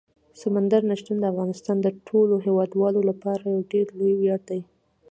سمندر نه شتون د افغانستان د ټولو هیوادوالو لپاره یو ډېر لوی ویاړ دی.